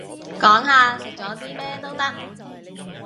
講下食咗啲咩都得